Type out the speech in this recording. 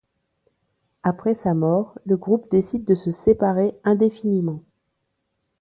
Après sa mort, le groupe décide de se séparer indéfiniment.